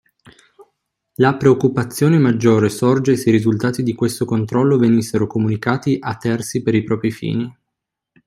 La preoccupazione maggiore sorge se i risultati di questo controllo venissero comunicati a terzi per i propri fini